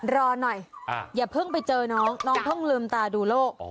รอหน่อยอย่าเพิ่งไปเจอน้องน้องเพิ่งลืมตาดูโลก